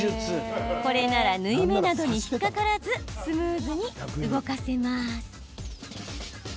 これなら縫い目などに引っ掛からずスムーズに動かせます。